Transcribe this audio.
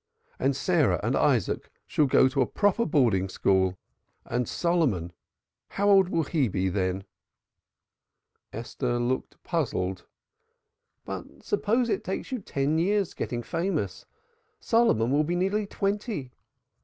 And Sarah and Isaac and Rachel shall go to a proper boarding school, and Solomon how old will he be then?" Esther looked puzzled. "Oh, but suppose it takes you ten years getting famous! Solomon will be nearly twenty."